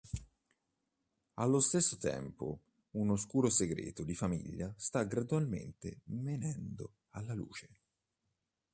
Allo stesso tempo, un oscuro segreto di famiglia sta gradualmente venendo alla luce.